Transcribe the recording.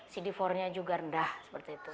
cd empat nya juga rendah seperti itu